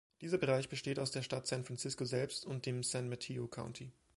Dieser Bereich besteht aus der Stadt San Francisco selbst und dem San Mateo County.